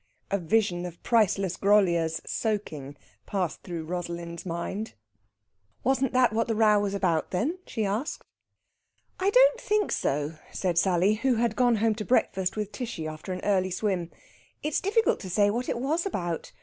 A vision of priceless Groliers soaking passed through Rosalind's mind. "Wasn't that what this row was about, then?" she asked. "I don't think so," said Sally, who had gone home to breakfast with Tishy after an early swim. "It's difficult to say what it was about.